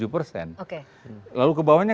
tujuh persen lalu kebawahnya